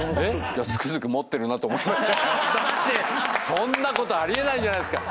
そんなことあり得ないじゃないですか。